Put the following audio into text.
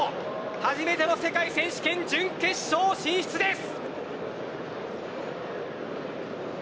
初めての世界選手権準決勝進出です。